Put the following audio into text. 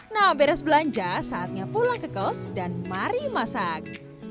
nah beres belanja saatnya pulang ke kos dan mari masak